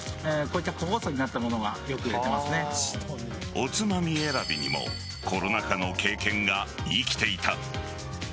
おつまみ選びにもコロナ禍の経験が生きていた。